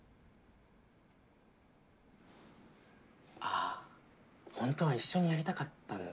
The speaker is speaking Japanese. あホントは一緒にやりたかったんだ？